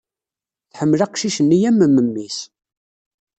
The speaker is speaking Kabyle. Tḥemmel aqcic-nni am memmi-s.